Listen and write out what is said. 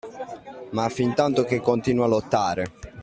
Ma fin tanto che continui a lottare,